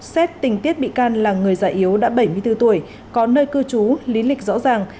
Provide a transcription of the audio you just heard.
xét tình tiết bị can là người già yếu đã bảy mươi bốn tuổi có nơi cư trú lý lịch rõ ràng